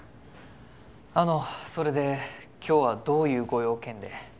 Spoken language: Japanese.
あのそれで今日はどういうご用件で？